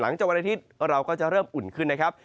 วันอาทิตย์เราก็จะเริ่มอุ่นขึ้นนะครับ